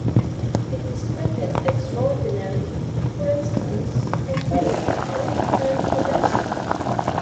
It is printed extraordinarily, for instance on toilet paper and a bedsheet.